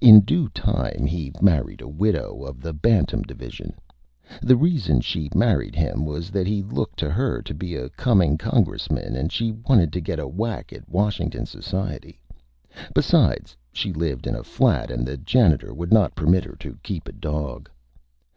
In Due Time he Married a Widow of the Bantam Division. The Reason she married him was that he looked to her to be a Coming Congressman and she wanted to get a Whack at Washington Society. Besides, she lived in a Flat and the Janitor would not permit her to keep a Dog.